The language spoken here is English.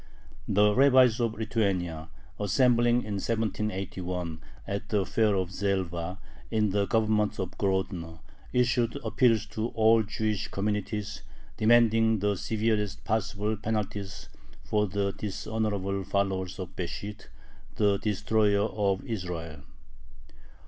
The rabbis of Lithuania, assembling in 1781 at the fair of Zelva, in the Government of Grodno, issued appeals to all Jewish communities, demanding the severest possible penalties for "the dishonorable followers of Besht, the destroyer of Israel."